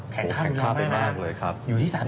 แข่งค่าเงินบาทพวกนี้มากเลยนะ